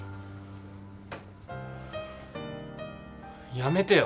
やめてよ。